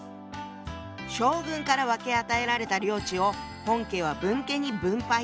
将軍から分け与えられた領地を本家は分家に分配。